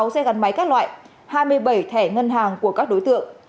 bốn mươi sáu xe gắn máy các loại hai mươi bảy thẻ ngân hàng của các đối tượng